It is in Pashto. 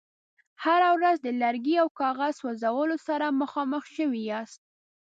هره ورځ د لرګي او کاغذ سوځولو سره مخامخ شوي یاست.